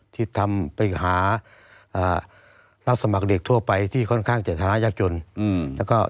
ที่ครูค้ำเงินกู้กรยาศรให้พวกเธอได้เรียนมหาวิทยาลัย